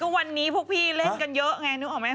ทุกวันนี้พวกพี่เล่นกันเยอะไงนึกออกไหม